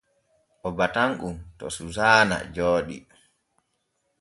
O batan on to Susaana Jooɗi.